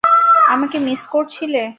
আমাকে মিস করছিলে?